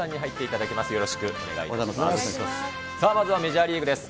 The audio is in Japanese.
さあ、まずはメジャーリーグです。